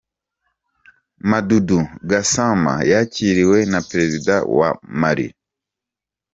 Mamoudou Gassama yakiriwe na Perezida wa Mali.